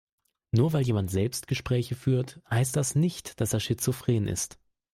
Nur weil jemand Selbstgespräche führt, heißt das nicht, dass er schizophren ist.